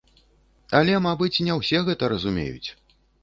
Але, мабыць, не ўсе гэта разумеюць.